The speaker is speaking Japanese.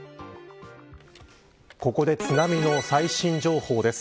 ここで津波の最新情報です。